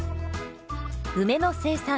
梅の生産